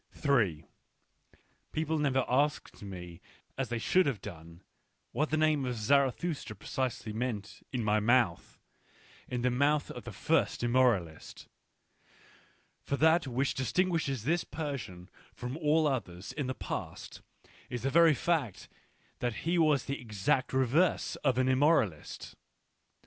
People have never asked me as they should have done, what the name of Zarathustra precisely meant in my mouth, in the mouth of the first immoralist ; for that which distinguishes this Persian from all others in the past is the very fact that he was the exact reverse of an immoralist.